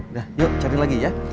udah yuk cari lagi ya